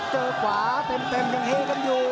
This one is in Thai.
เจอขวาเต็มยังเฮกันอยู่